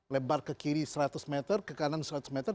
lebar ke kiri seratus meter ke kanan seratus meter